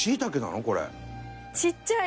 ちっちゃい。